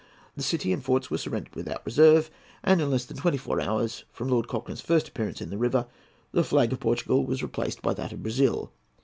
The city and forts were surrendered without reserve, and in less than twenty four hours from Lord Cochrane's first appearance in the river the flag of Portugal was replaced by that of Brazil.